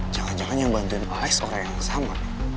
jangan jangan yang bantuin alex orang yang sama